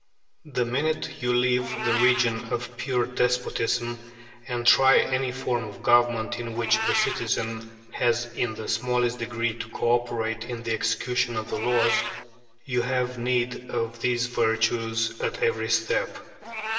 The minute you leave the region of pure despotism and try any form of government in which the citizen has in the smallest degree to co operate in the execution of the laws, you have need of these virtues at every step.